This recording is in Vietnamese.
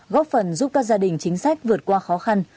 góp phần giúp các gia đình chính sách vượt qua khó khăn